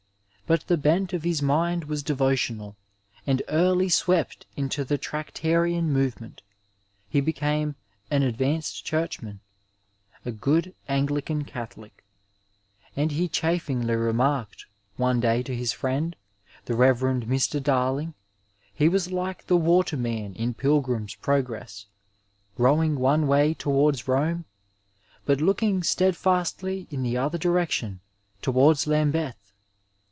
But the bent of his mind was devotional, and early swept into the Trac tarian movement, he became an advanced Churchman, a good Anglican Catholic. As he chaffingly remarked one day to his friend, the Rev. Mr. Darling, he was like the waterman in Pilgrim's Progress, rowing one way towards Rome, but looking steadfastly in the other direction to wards Lambeth.